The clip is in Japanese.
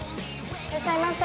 いらっしゃいませ。